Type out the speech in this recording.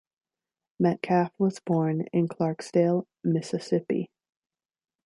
Metcalf was born in Clarksdale, Mississippi.